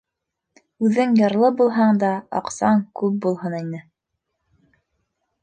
Үҙең ярлы булһаң да, аҡсаң күп булһын ине.